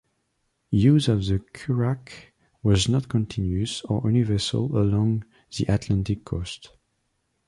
Use of the currach was not continuous or universal along the Atlantic coast.